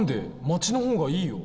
町の方がいいよ。